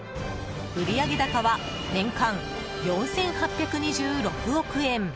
売上高は年間４８２６億円。